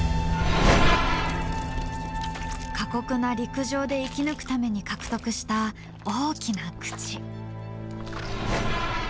過酷な陸上で生き抜くために獲得した大きな口。